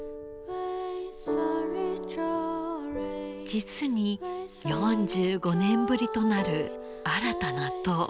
実に４５年ぶりとなる新たな塔。